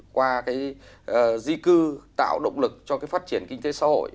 qua cái di cư tạo động lực cho phát triển kinh tế xã hội